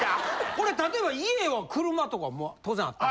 これ例えば家は車とか当然あったの？